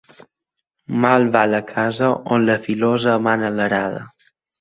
Mal va la casa on la filosa mana l'arada.